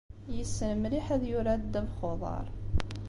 Yessen mliḥ ad yurar ddabex n uḍaṛ.